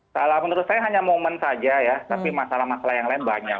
salah menurut saya hanya momen saja ya tapi masalah masalah yang lain banyak